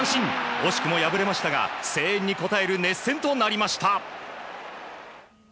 惜しくも敗れましたが声援に応える熱戦となりました。